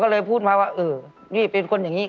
ก็เลยพูดมาว่าเออนี่เป็นคนอย่างนี้